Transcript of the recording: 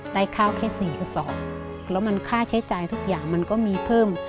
ได้ข้าวแค่๔๒๐๐แล้วมันค่าใช้จ่ายทุกอย่างมันก็มีเพิ่ม